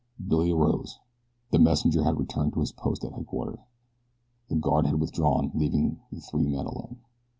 Billy arose. The messenger had returned to his post at headquarters. The guard had withdrawn, leaving the three men alone.